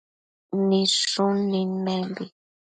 Nidshun nidmenbi